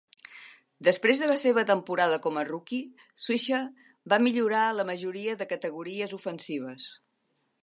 Després de la seva temporada com a rookie, Swisher va millorar a la majoria de categories ofensives.